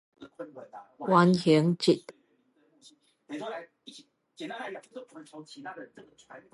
原形質